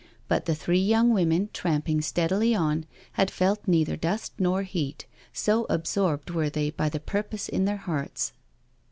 But the three young women tramping steadily on had felt neither dust nor heat, so absorbed were they, by the purpose in their hearts.